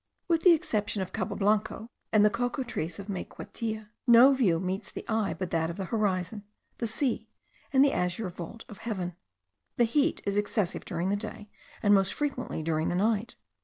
With the exception of Cabo Blanco and the cocoa trees of Maiquetia, no view meets the eye but that of the horizon, the sea, and the azure vault of heaven. The heat is excessive during the day, and most frequently during the night.